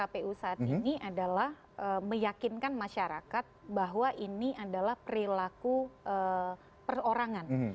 yang harus dijawab kpu saat ini adalah meyakinkan masyarakat bahwa ini adalah perilaku perorangan